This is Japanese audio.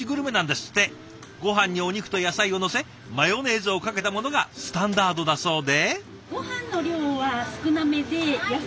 ごはんにお肉と野菜をのせマヨネーズをかけたものがスタンダードだそうで。